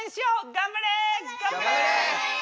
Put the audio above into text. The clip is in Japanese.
頑張れ！